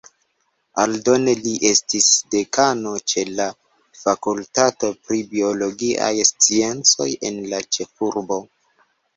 Aldone li estis dekano ĉe la fakultato pri biologiaj sciencoj en la ĉefurbo.